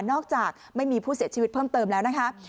จากไม่มีผู้เสียชีวิตเพิ่มเติมแล้วนะคะ